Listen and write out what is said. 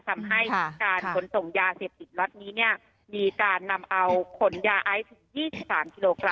ทำให้การขนส่งยาเสพติดล็อตนี้เนี่ยมีการนำเอาขนยาไอซ์ถึง๒๓กิโลกรั